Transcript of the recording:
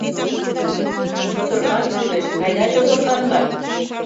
— Чодыркан кӱлеш, айда чодырканлан!